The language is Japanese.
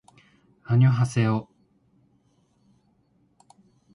あにょはせよ